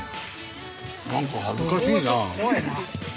何か恥ずかしいな。